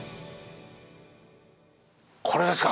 これですか？